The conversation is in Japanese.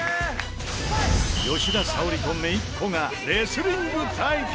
吉田沙保里と姪っ子がレスリング対決！